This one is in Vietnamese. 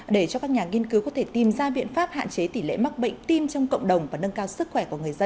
để cho các nhà nghiên cứu có thể tìm ra biện pháp hạn chế tỷ lệ mắc bệnh tim trong cộng đồng và nâng cao sức khỏe của người dân